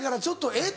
えっ？